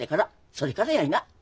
それからやいな。